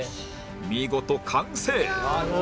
見事完成